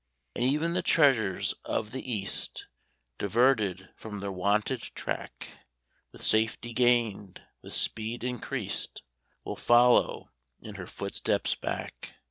And e'en the treasures of the East, Diverted from their wonted track, With safety gained, with speed increased, Will follow in her footsteps back.